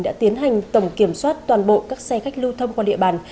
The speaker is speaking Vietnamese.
đã tiến hành tổng kiểm soát toàn bộ các xe khách lưu thông qua địa bàn